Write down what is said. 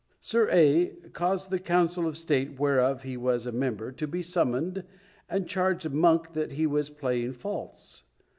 Sir A. caused the council of state, whereof he was a member, to be summoned, and charged Monk that he was playing false.